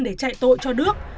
để chạy tội cho nước